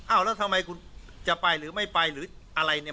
แล้วทำไมคุณจะไปหรือไม่ไปหรืออะไรเนี่ย